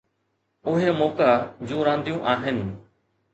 اهي موقعا جون رانديون آهن.